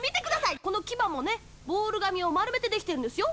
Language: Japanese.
この牙もね、ボール紙を丸めてできてるんですよ。